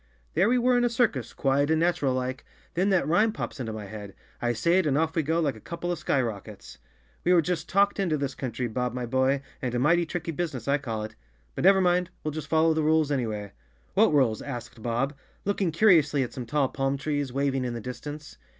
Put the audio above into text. There we were in a circus, quiet and natural like, then that rhyme pops into my head. I say it and off we go like a couple of skyrockets. We were just talked into this country, Bob, my boy, and a mighty tricky business I call it. But never mind, we'll just follow the rules any¬ way." Chapter Three "What rules?" asked Bob, looking curiously at some tall palm trees, waving in the distance.